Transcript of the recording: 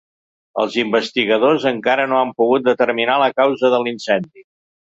Els investigadors encara no han pogut determinar la causa de l’incendi.